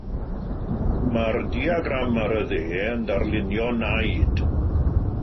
Mae'r diagram ar y dde yn darlunio naid.